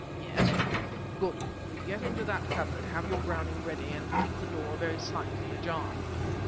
"Yes." "Good. Get into that cupboard, have your Browning ready, and keep the door very slightly ajar."